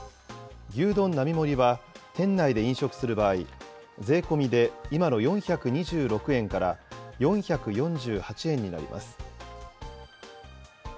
牛丼並盛は、店内で飲食する場合、税込みで今の４２６円から４４８円になります。